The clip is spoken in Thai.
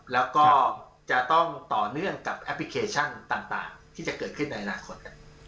แล้วก็จะต้องต่อเนื่องกับแอปพลิเคชันต่างที่จะเกิดขึ้นในอนาคต